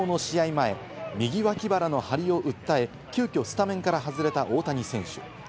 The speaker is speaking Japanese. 前、右脇腹の張りを訴え、急きょスタメンから外れた大谷選手。